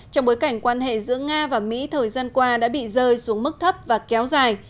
trong bối cảnh quan hệ giữa nga và mỹ thời gian qua đã bị rơi xuống mức thấp và kéo dài